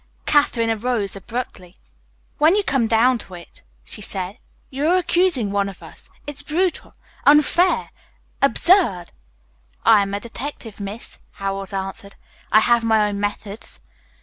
Katherine arose abruptly. "When you come down to it," she said, "you are accusing one of us. It's brutal, unfair absurd." "I am a detective, Miss," Howells answered. "I have my own methods."